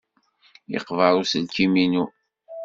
Yeqber uselkim-inu.